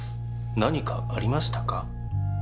何かありましたか？」